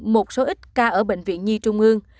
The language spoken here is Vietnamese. một số ít ca ở bệnh viện nhi trung ương